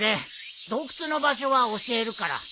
洞窟の場所は教えるから。